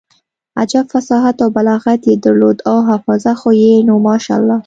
عجب فصاحت او بلاغت يې درلود او حافظه خو يې نو ماشاالله.